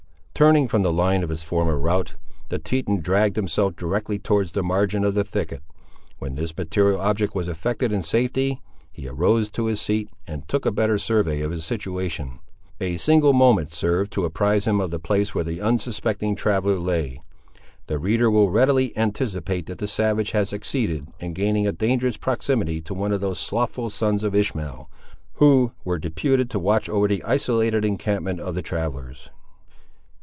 Turning from the line of his former route, the Teton dragged himself directly towards the margin of the thicket. When this material object was effected in safety, he arose to his seat, and took a better survey of his situation. A single moment served to apprise him of the place where the unsuspecting traveller lay. The reader will readily anticipate that the savage had succeeded in gaining a dangerous proximity to one of those slothful sons of Ishmael, who were deputed to watch over the isolated encampment of the travellers.